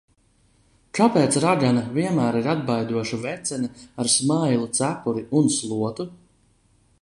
Kāpēc ragana vienmēr ir atbaidoša vecene ar smailu cepuri un slotu?